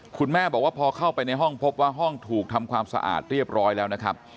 คุณแม่บอกว่าพอเข้าไปในห้องพบว่าห้องถูกทำความสะอาดเรียบร้อยแล้วนะครับ